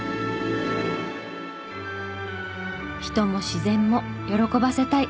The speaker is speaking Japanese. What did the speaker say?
人も自然も喜ばせたい。